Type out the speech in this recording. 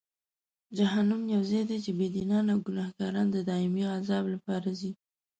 جهنم یو ځای دی چې بېدینان او ګناهکاران د دایمي عذاب لپاره ځي.